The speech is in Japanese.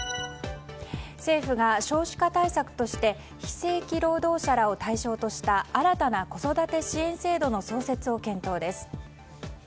政府が少子化対策として非正規労働者らを対象とした新たな子育て支援制度の創設を検討です。